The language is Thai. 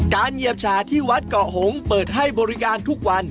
เหยียบชาที่วัดเกาะหงษ์เปิดให้บริการทุกวัน